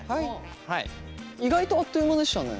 意外とあっという間でしたね。